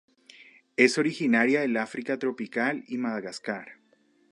Es originaria del África tropical y Madagascar.